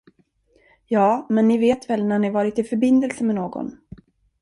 Ja, men ni vet väl när ni varit i förbindelse med någon.